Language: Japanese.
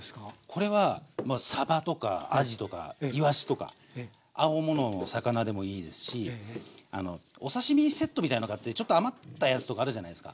これはさばとかあじとかいわしとか青物の魚でもいいですしお刺身セットみたいの買ってちょっと余ったやつとかあるじゃないですか。